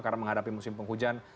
karena menghadapi musim penghujan